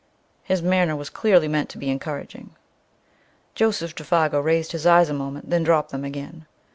His manner was clearly meant to be encouraging. Joseph Défago raised his eyes a moment, then dropped them again.